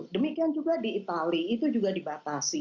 demikian juga di itali itu juga dibatasi